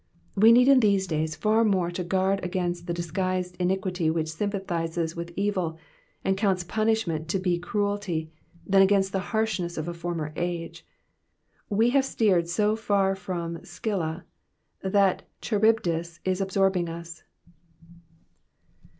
We need in these days far more to guard against the disguised iniquity which sympathises with evil, and counts punishment to be cruelty, than against the harshness of a former age. We have steered so far from Scylla that Charybdis is absorbing us.